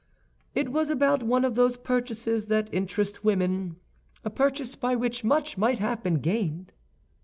"It was about one of those purchases that interest women—a purchase by which much might have been gained."